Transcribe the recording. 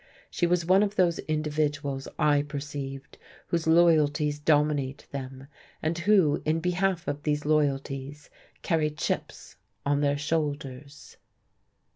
She was one of those individuals, I perceived, whose loyalties dominate them; and who, in behalf of those loyalties, carry chips on their shoulders.